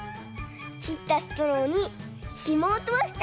きったストローにひもをとおしたんだ。